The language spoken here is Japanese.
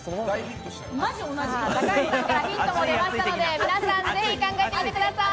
ヒントも出ましたので皆さんぜひ考えてみてください。